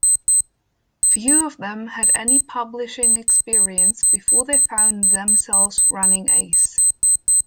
Few of them had any publishing experience before they found themselves running Ace.